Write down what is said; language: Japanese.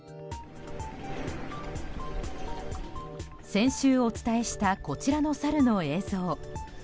先週、お伝えしたこちらのサルの映像。